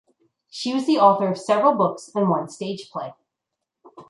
She was the author of several books and one stage play.